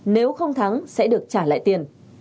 nếu không thắng sẽ được trả lại tiền